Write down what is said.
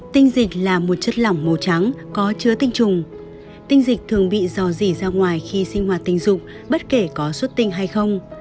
tinh dịch là một chất lỏng màu trắng có chứa tinh trùng tinh dịch thường bị dò dỉ ra ngoài khi sinh hoạt tình dục bất kể có xuất tinh hay không